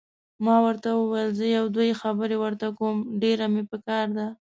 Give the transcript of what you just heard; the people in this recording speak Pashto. ما ورته وویل: زه یو دوې خبرې ورته کوم، ډېره مې پکار ده.